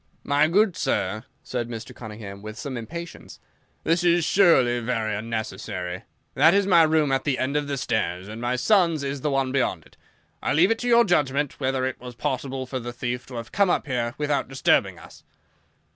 "My good sir," said Mr. Cunningham with some impatience, "this is surely very unnecessary. That is my room at the end of the stairs, and my son's is the one beyond it. I leave it to your judgment whether it was possible for the thief to have come up here without disturbing us."